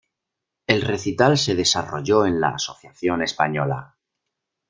El recital se desarrolló en la Asociación Española.